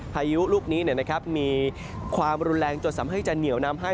พายุลูกนี้มีความรุนแรงจนสามารถให้จะเหนียวนำให้